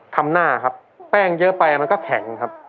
ทำหน้าครับแป้งเยอะไปมันก็แข็งครับ